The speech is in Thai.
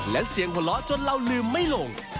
และเสียงหล่อจนเราลืมไม่ลง